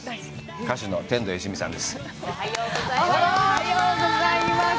歌手の天童よしみさんです。